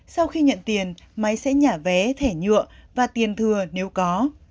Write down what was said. sau khi nhận tiền máy sẽ nhả vé thẻ nhựa và tiền thừa nếu có